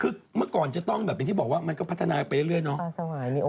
คือเมื่อก่อนจะต้องแบบอย่างที่บอกว่ามันก็พัฒนาไปเรื่อยเนาะ